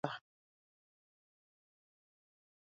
It is the chief tributary of the Ob River.